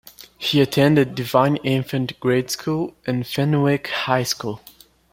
He attended Divine Infant grade school and Fenwick High School.